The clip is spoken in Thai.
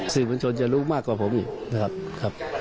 บัญชนจะรู้มากกว่าผมอีกนะครับ